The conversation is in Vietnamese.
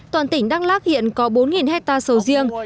toàn tỉnh đăng lác hiện có bốn hectare sầu riêng